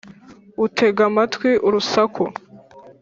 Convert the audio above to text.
utega amatwi urusaku